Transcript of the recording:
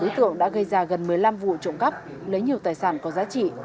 đối tượng đã gây ra gần một mươi năm vụ trộm cắp lấy nhiều tài sản có giá trị